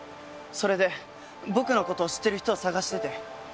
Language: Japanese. それで僕の事を知ってる人を探してて。